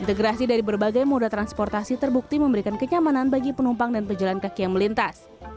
integrasi dari berbagai moda transportasi terbukti memberikan kenyamanan bagi penumpang dan pejalan kaki yang melintas